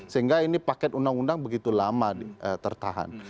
sehingga ini paket undang undang begitu lama tertahan